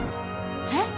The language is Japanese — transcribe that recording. えっ？